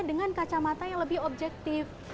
dengan kacamata yang lebih objektif